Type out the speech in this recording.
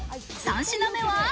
３品目は。